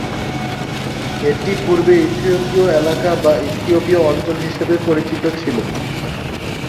এটি পূর্বে ইথিওপিয় এলাকা বা ইথিওপীয় অঞ্চল হিসাবে পরিচিত ছিল।